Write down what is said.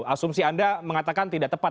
asumsi anda mengatakan tidak tepat